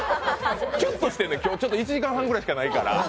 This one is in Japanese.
キュッとしてんねん、今日１時間半くらいしかないから。